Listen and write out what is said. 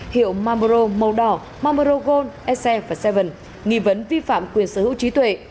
hiệu marlboro màu đỏ marlboro gold sf bảy nghi vấn vi phạm quyền sở hữu trí tuệ